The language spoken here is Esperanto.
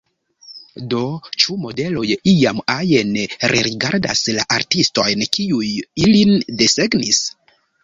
Do, ĉu modeloj iam ajn rerigardas la artistojn, kiuj ilin desegnis?